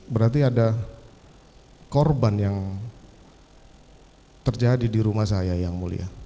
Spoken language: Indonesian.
berarti ada korban yang terjadi di rumah saya yang mulia